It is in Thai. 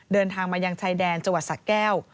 เดินทางมายังชายแดนจังหวัดสะแก้ว